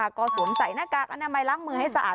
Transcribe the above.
ก็สวมใส่หน้ากากอนามัยล้างมือให้สะอาด